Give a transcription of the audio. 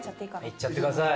いっちゃってください。